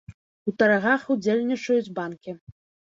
У таргах удзельнічаюць банкі.